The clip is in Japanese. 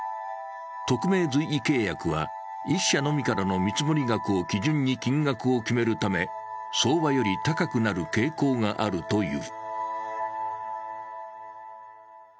特命随意契約は１社のみからの見積額を基準に金額を決めるため相場より高くなる傾向があるという。